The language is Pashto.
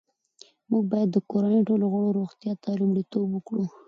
موږ باید د کورنۍ ټولو غړو روغتیا ته لومړیتوب ورکړو